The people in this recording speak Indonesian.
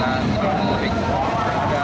dari jepang semarang jepang jepang